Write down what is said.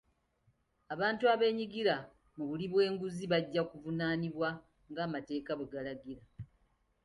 Abantu abeenyigira mu buli bw'enguzi bajja kuvunaanibwa ng'amateeka bwe galagira.